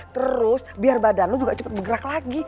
terus biar badan lo juga cepet bergerak lagi